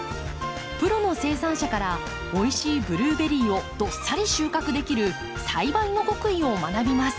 プロの生産者からおいしいブルーベリーをどっさり収穫できる栽培の極意を学びます。